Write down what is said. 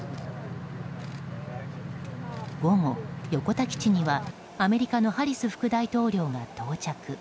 午後、横田基地にはアメリカのハリス副大統領が到着。